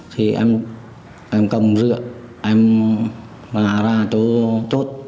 thì em cầm rượu em bà ra chỗ chốt